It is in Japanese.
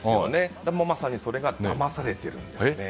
まさにそれがだまされているんですね。